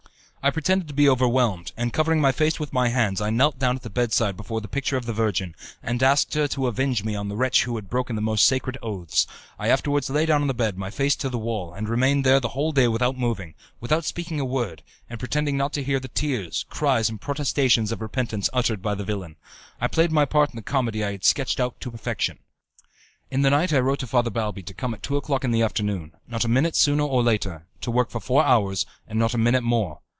I pretended to be overwhelmed, and covering my face with my hands I knelt down at the bedside before the picture of the Virgin, and asked, her to avenge me on the wretch who had broken the most sacred oaths. I afterwards lay down on the bed, my face to the wall, and remained there the whole day without moving, without speaking a word, and pretending not to hear the tears, cries, and protestations of repentance uttered by the villain. I played my part in the comedy I had sketched out to perfection. In the night I wrote to Father Balbi to come at two o'clock in the afternoon, not a minute sooner or later, to work for four hours, and not a minute more.